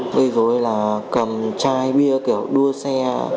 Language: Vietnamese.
gây dối là cầm chai bia kiểu đua xe